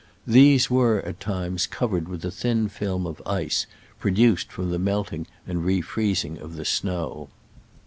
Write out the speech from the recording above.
These were at times covered with a thin film of ice, produced from the melting and refreezing of the snow.